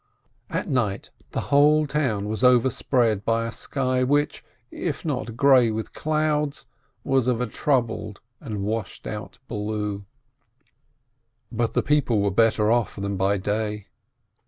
At night the whole town was overspread by a sky which, if not grey with clouds, was of a troubled and washed out blue. But the people were better off than by day.